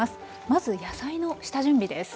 まず野菜の下準備です。